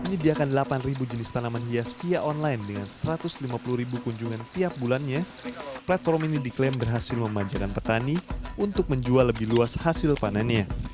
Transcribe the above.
menyediakan delapan jenis tanaman hias via online dengan satu ratus lima puluh ribu kunjungan tiap bulannya platform ini diklaim berhasil memanjakan petani untuk menjual lebih luas hasil panennya